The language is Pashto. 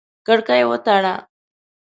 کړکۍ وتړه!